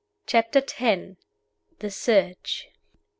CHAPTER X. THE SEARCH.